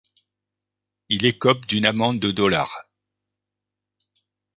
Il écope d'une amende de dollars.